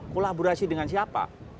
kolaborasi dengan siapa